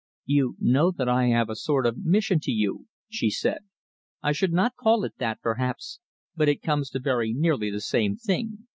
"You know that I have a sort of mission to you," she said. "I should not call it that, perhaps, but it comes to very nearly the same thing.